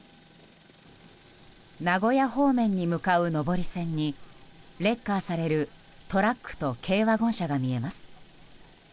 名古屋方面に向かう上り線にレッカーされるトラックと軽ワゴン車が見えます。